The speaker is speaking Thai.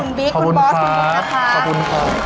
คุณบิ๊กคุณบอสคุณมุกกันค่ะขอบคุณครับขอบคุณครับ